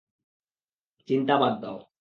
চিন্তা বাদ দাও।